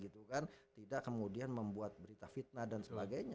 bagaimanapun berita fitnah dan sebagainya